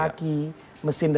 ini kita lihat komoditasnya